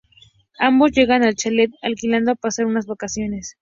Ambos llegan al chalet alquilado a pasar unas vacaciones.